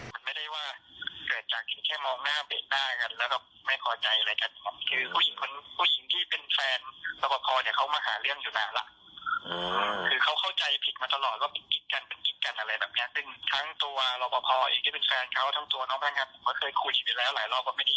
มาอะไรอย่างนี้แต่ว่าเมื่อคืนหลักสุดก็คือมีการโครวฆ่าเลย